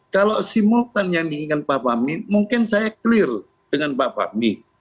kalau simultan yang diinginkan pak fahmi mungkin saya clear dengan pak fahmi